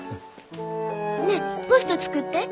ねっポスト作って。